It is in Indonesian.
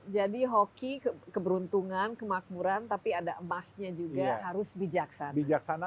jadi hoki keberuntungan kemakmuran tapi ada emasnya juga harus bijaksana